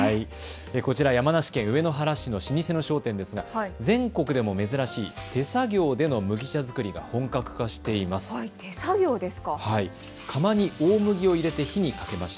こちら、山梨県上野原市の老舗の商店ですが全国でも珍しい手作業での麦茶作りが本格化しています。